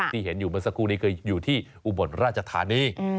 ที่เห็นอยู่เมื่อสักครู่นี้คืออยู่ที่อุบลราชธานี